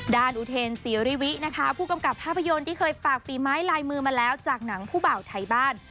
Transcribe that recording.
อุเทนศรีริวินะคะผู้กำกับภาพยนตร์ที่เคยฝากฝีไม้ลายมือมาแล้วจากหนังผู้บ่าวไทยบ้าน